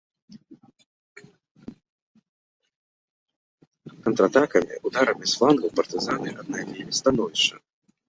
Контратакамі, ударамі з флангаў партызаны аднавілі становішча.